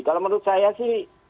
kalau menurut saya sih